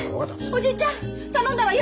おじいちゃん頼んだわよ！ね！